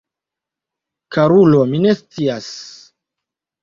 Karulo, mi ne scias.